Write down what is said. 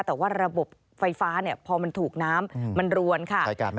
แต่ว่าระบบไฟฟ้าพอมันถูกน้ำมันรวนค่ะ